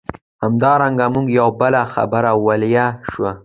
همدارنګه موږ یوه بله خبره ویلای شو.